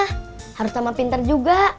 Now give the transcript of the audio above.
harus sama pintar juga